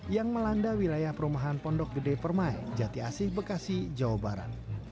yang melanda wilayah perumahan pondok gede permai jati asih bekasi jawa barat